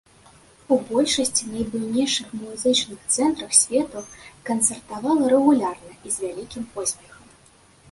У большасці найбуйнейшых музычных цэнтрах свету канцэртавала рэгулярна і з вялікім поспехам.